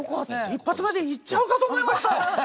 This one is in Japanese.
１発目でいっちゃうかと思いました！